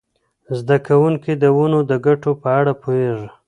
زده کوونکي د ونو د ګټو په اړه پوهیږي.